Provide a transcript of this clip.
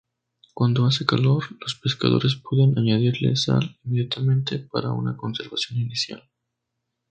Cuando hace calor, los pescadores pueden añadirle sal inmediatamente para una conservación inicial.